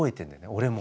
俺も。